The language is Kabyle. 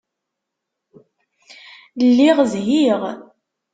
Lliɣ zhiɣ.